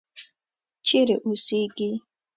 چیرې اوسیږې.